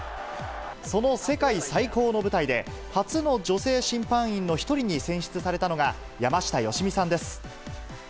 その世界最高の舞台で、初の女性審判員の一人に選出されたのが、山下良美さんです。